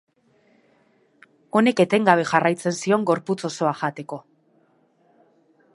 Honek etengabe jarraitzen zion gorputz osoa jateko.